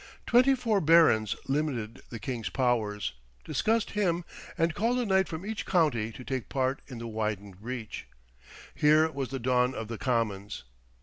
Twenty four barons limited the king's powers, discussed him, and called a knight from each county to take part in the widened breach. Here was the dawn of the Commons.